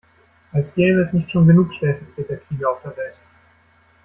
Als gäbe es nicht schon genug Stellvertreterkriege auf der Welt.